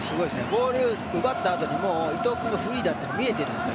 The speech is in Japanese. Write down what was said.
ボールを奪ったあとにもう伊東のフリーだっていうのが見えてるんですよ。